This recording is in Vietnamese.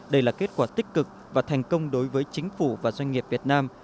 đây là kết quả tích cực và thành công đối với chính phủ và doanh nghiệp việt nam